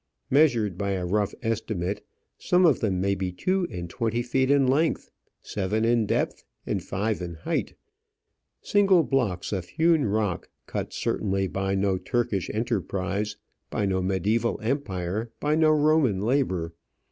Measured by a rough estimate, some of them may be two and twenty feet in length, seven in depth, and five in height, single blocks of hewn rock, cut certainly by no Turkish enterprise, by no mediæval empire, by no Roman labour.